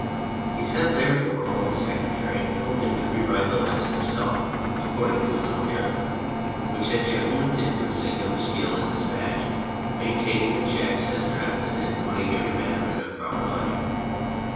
He sent, therefore, for his secretary, and told him to re write the letters himself according to his own judgment, which that gentleman did with singular skill and dispatch, maintaining the cheques as drafted and putting every matter in its proper light.